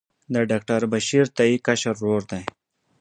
د ډاکټر بشیر تائي کشر ورور دی.